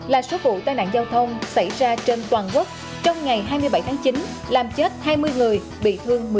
hai mươi bảy là số vụ tai nạn giao thông xảy ra trên toàn quốc trong ngày hai mươi bảy tháng chín làm chết hai mươi người bị thương một mươi chín người